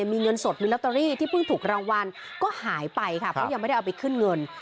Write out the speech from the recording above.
มีเงินสดมีลอตเตอรี่ที่เพิ่งถูกรางวัลก็หายไปค่ะเพราะยังไม่ได้เอาไปขึ้นเงิน